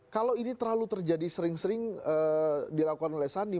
kalau ini terlalu terjadi sering sering dilakukan oleh sandi